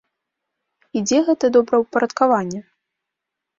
І дзе гэта добраўпарадкаванне?